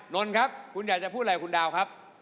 นนท์ครับคุณอยากจะพูดอะไรคุณดาวครับ